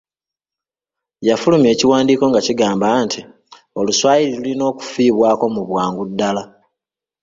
Yafulumya ekiwandiiko nga kigamba nti Oluswayiri lulina okufiibwako mu bwangu ddala.